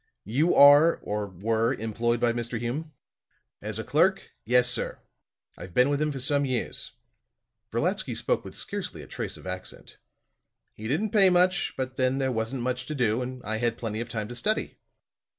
"You are, or were, employed by Mr. Hume?" "As a clerk, yes, sir. I've been with him for some years." Brolatsky spoke with scarcely a trace of accent. "He didn't pay much, but then there wasn't much to do, and I had plenty of time to study."